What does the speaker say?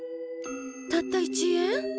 たった１円？